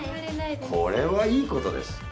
これはいいことです。